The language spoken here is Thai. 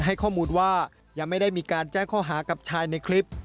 ให้ข้อมูลว่ายังไม่ได้มีการแจ้งข้อหากับชายในคลิป